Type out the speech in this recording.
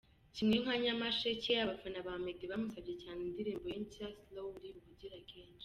Kimwe nka Nyamasheke, abafana ba Meddy bamusabye cyane indirimbo ye nshya Slowly ubugira kenshi.